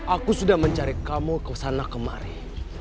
aku sudah mencari kamu ke sana kemari